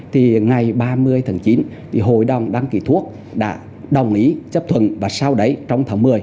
thì ngày ba mươi tháng chín thì hội đồng đăng ký thuốc đã đồng ý chấp thuận và sau đấy trong tháng một mươi